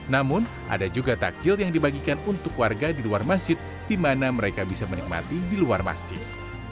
namun ada juga takjil yang dibagikan untuk warga di luar masjid di mana mereka bisa menikmati di luar masjid